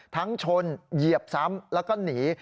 ชนเหยียบซ้ำแล้วก็หนี